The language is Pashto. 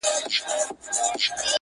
او بېوفايي ، يې سمه لکه خور وگڼه~